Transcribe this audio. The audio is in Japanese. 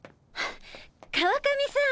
川上さん